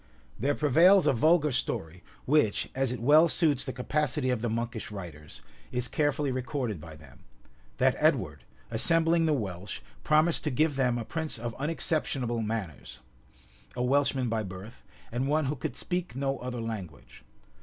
There prevails a vulgar story, which, as it well suits the capacity of the monkish writers, is carefully recorded by them; that Edward, assembling the Welsh, promised to give them a prince of unexceptionable manners, a Welshman by birth, and one who could speak no other language.